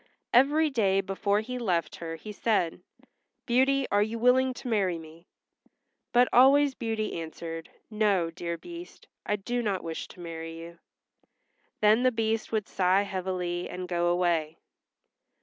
Every day before he left her he said, "Beauty, are you willing to marry me?" But always Beauty answered, "No, dear Beast, I do not wish to marry you." Then the Beast would sigh heavily and go away.